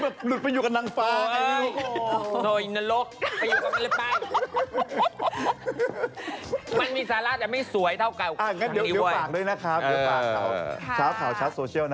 มันมึงแหละตัวดี